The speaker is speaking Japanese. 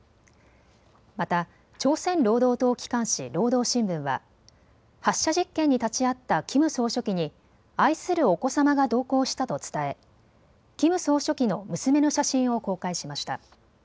また朝鮮労働党機関紙、労働新聞は発射実験に立ち会ったキム総書記に愛するお子様が同行したと伝えキム総書記の娘の写真を公開しました。